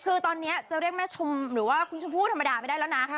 คือตอนนี้จะเรียกแม่ชมหรือว่าคุณชมพู่ธรรมดาไม่ได้แล้วนะ